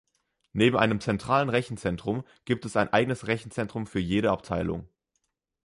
Neben einem zentralen Rechenzentrum gibt es ein eigenes Rechenzentrum für jede Abteilung.